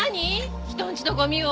人んちのゴミを。